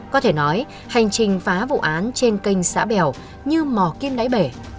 có thể nói hành trình phá vụ án trên kênh xã bèo như mò kim đáy bể